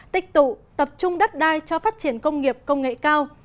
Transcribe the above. tích tụ tập trung đất đai cho phát triển công nghiệp công nghệ cao